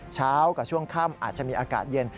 เช้ากับช่วงค่ำอาจจะมีอากาศเย็น